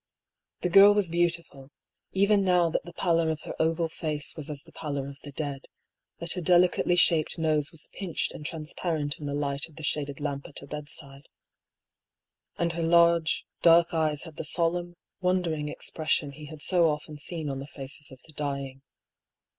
The girl was beautiful, even now that the pallor of her oval face was as the pallor of the dead, that her delicately shaped nose was pinched and transparent in the light of the shaded lamp at her bedside ; and her large, dark eyes had the solemn, wondering expression he had so often seen on the faces of the dying.